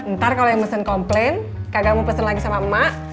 ntar kalau yang mesen komplain kagak mau pesen lagi sama emak